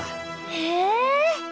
へえ。